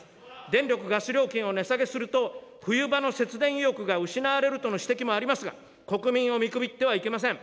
電力・ガス料金を値下げすると、冬場の節電意欲が失われるとの指摘もありますが、国民を見くびってはいけません。